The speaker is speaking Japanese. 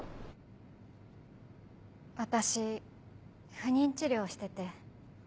私不妊治療してて。